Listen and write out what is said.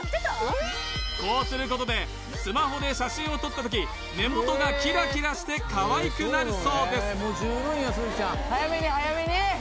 こうすることでスマホで写真を撮った時目元がキラキラしてかわいくなるそうです